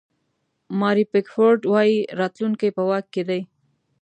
ماري پیکفورډ وایي راتلونکی په واک کې دی.